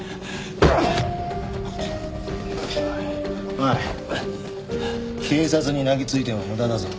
おい警察に泣きついても無駄だぞ。